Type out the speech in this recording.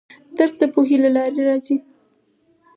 درک د پوهې له لارې راځي.